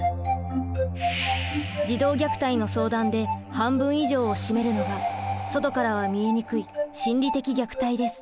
児童虐待の相談で半分以上を占めるのが外からは見えにくい心理的虐待です。